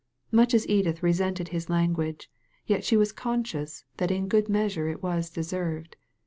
Much as Edith resented his language, yet she was conscious that in a great measure it was deserved.